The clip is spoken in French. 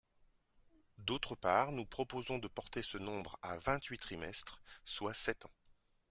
D’autre part, nous proposons de porter ce nombre à vingt-huit trimestres, soit sept ans.